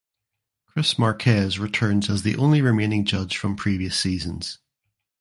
Chris Marques returns as the only remaining judge from previous seasons.